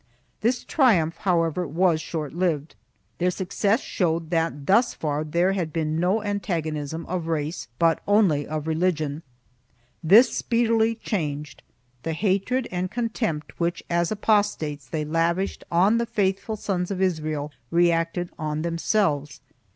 1 This triumph however was short lived. Their success showed that thus far there had been no antagonism of race but only of religion. This speedily changed; the hatred and contempt which, as apostates, they lavished on the faithful sons of Israel reacted on themselves.